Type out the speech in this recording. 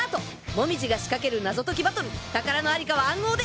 紅葉が仕掛ける謎解きバトル宝のありかは暗号で！